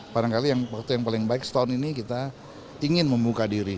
padahal yang paling baik setahun ini kita ingin membuka diri